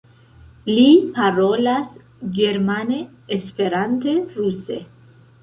Li parolas germane, Esperante, ruse.